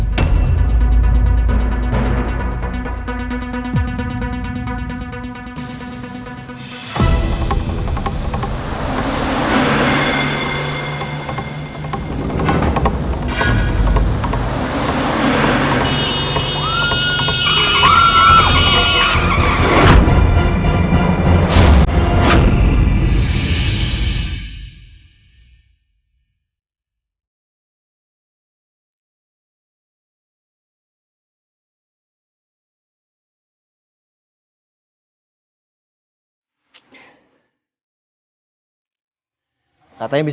you can ask pun